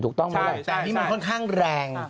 ถูกต้องหมดเลยใช่ไหมครับใช่เป็นความตั้งแรง